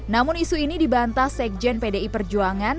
namun isu ini dibantah sekjen pdi perjuangan